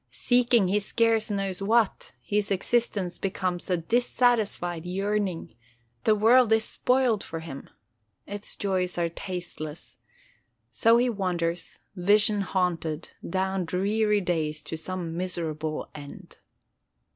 Seeking he scarce knows what, his existence becomes a dissatisfied yearning; the world is spoiled for him, its joys are tasteless: so he wanders, vision haunted, down dreary days to some miserable end.